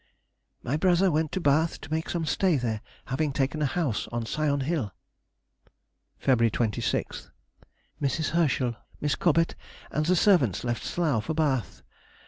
_—My brother went to Bath to make some stay there, having taken a house on Sion Hill. February 26th.—Mrs. Herschel, Miss Cobet, and the servants left Slough for Bath.